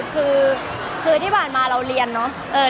มันเป็นเรื่องน่ารักที่เวลาเจอกันเราต้องแซวอะไรอย่างเงี้ย